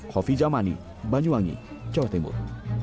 kofi jamani banyuwangi jawa timur